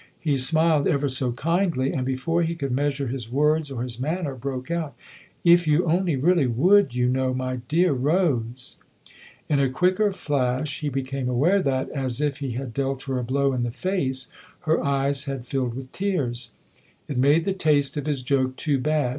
He smiled ever so kindly and, before he could measure his words or his manner, broke out :" If you only really would, you know, my dear Rose !" In a quicker flash he became aware that, as if he had dealt her a blow in the face, her eyes had filled with tears. It made the taste of his joke too bad.